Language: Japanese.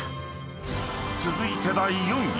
［続いて第４位］